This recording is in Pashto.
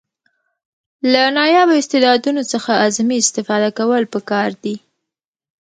له نایابه استعدادونو څخه اعظمي استفاده کول پکار دي.